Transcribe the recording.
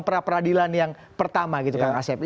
pra peradilan yang pertama gitu kang asep